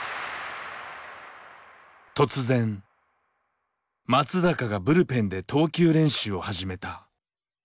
突然松坂がブルペンで投球練習を始めた。